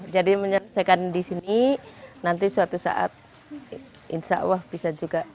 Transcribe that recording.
jadi menyelesaikan di sini nanti suatu saat insya allah bisa juga